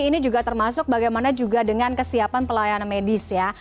ini juga termasuk bagaimana juga dengan kesiapan pelayanan medis ya